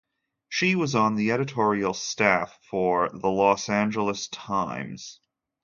She was on the editorial staff for the "Los Angeles Times".